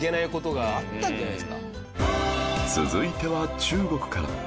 続いては中国から